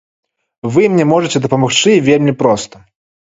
Вы мне можаце дапамагчы вельмі проста.